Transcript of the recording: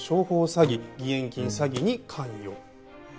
詐欺義援金詐欺に関与。